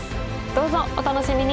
どうぞお楽しみに！